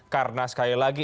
karena sekali lagi